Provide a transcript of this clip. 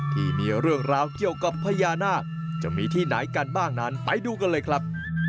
ที่มีเรื่องราวเกี่ยวกับพญานาคจะมีที่ไหนกันบ้างนั้นไปดูกันเลยครับ